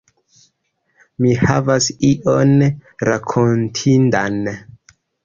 Mi havas ion rakontindan.